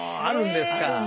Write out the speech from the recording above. あるんですか。